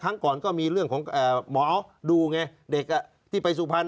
ครั้งก่อนก็มีเรื่องของหมอดูไงเด็กที่ไปสุพรรณ